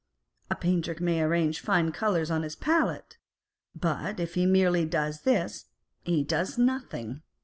A painter may arrange fine colours on his palette ; but if he merely does this, he does nothing.